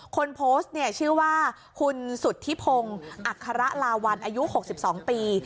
คนโพสต์เนี่ยชื่อว่าคุณสุธิพงอัคคาระลาวัลอายุหกสิบสองปี